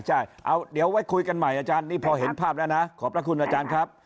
ใช่เอาเดี๋ยวไว้คุยกันใหม่อาจารย์นี่พอเห็นภาพแล้วนะขอบพระคุณอาจารย์ครับ